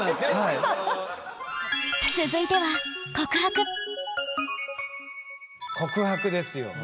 続いては告白ですよ。